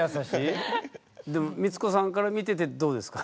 でも光子さんから見ててどうですか？